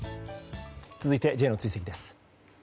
続いてＪの追跡です。